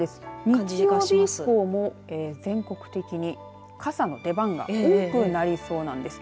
日曜日以降も全国的に傘の出番が多くなりそうなんです。